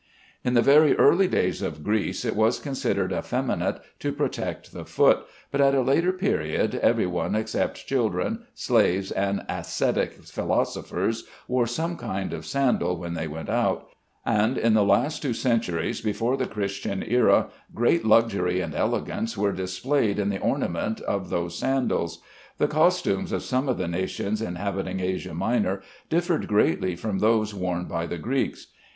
In the very early days of Greece, it was considered effeminate to protect the foot, but at a later period every one except children, slaves, and ascetic philosophers wore some kind of sandal when they went out; and in the last two centuries before the Christian era, great luxury and elegance were displayed in the adornment of those sandals. The costumes of some of the nations inhabiting Asia Minor differed greatly from those worn by the Greeks.